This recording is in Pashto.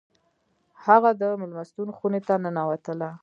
هغه د میلمستون خونې ته ننوتله